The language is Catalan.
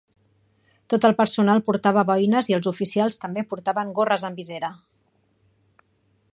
Tot el personal portava boines i els oficials també portaven gorres amb visera.